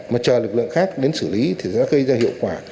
mà chờ lực lượng khác đến xử lý thì sẽ gây ra hiệu quả